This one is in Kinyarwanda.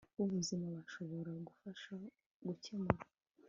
b'ubuzima bashobora gufasha gukemura